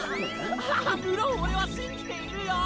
あ⁉無論オレは信じているよ！！